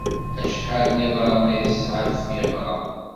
Acḥal n yiḍarren ay tesɛa tfiɣra?